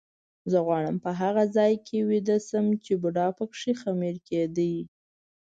زه غواړم په هغه ځای کې ویده شم چې بوډا به پکې خمیر کېده.